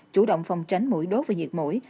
chủ động phòng tránh mũi đốt và nhiệt mũi